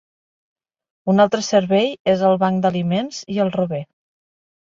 Un altre servei és el banc d'aliments i el rober.